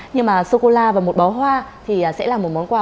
nhưng mà sô cô la và một bó hoa thì sẽ là một món quà